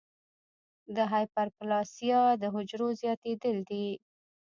د هایپرپلاسیا د حجرو زیاتېدل دي.